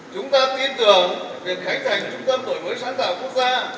chúng ta tin tưởng việc khánh thành trung tâm đổi mới sáng tạo quốc gia